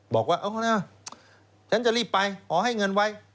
บอกว่าเอานะฉันจะรีบไปขอให้เงินไว้